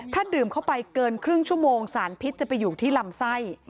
ถ้าดื่มเข้าไปเกินครึ่งชั่วโมงสารพิษจะไปอยู่ที่ลำไส้